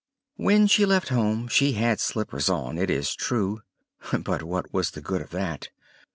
When she left home she had slippers on, it is true; but what was the good of that?